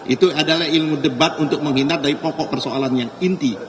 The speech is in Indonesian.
itu adalah ilmu debat untuk menghindar dari pokok persoalan yang inti